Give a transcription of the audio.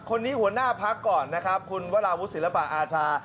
คนนี้เหวินหน้าพักก่อนนะครับคุณวัลาวุศิฬปะอาชา